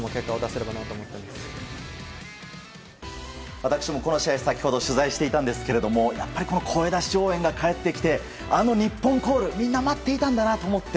私もこの試合、先ほど取材していたんですけれどもやっぱり声出し応援が帰ってきてあの日本コール、みんな待っていたんだなと思って。